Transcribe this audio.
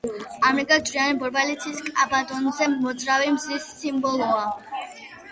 ამრიგად, ჯვრიანი ბორბალი ცის კაბადონზე მოძრავი მზის სიმბოლოა.